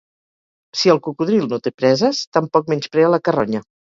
Si el cocodril no té preses, tampoc menysprea la carronya.